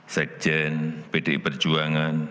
sekjen bdi perjuangan